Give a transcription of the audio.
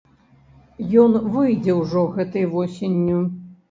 Ён выйдзе ўжо гэтай восенню.